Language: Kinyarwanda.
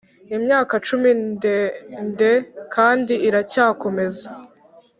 imyaka icumi ndende kandi iracyakomeza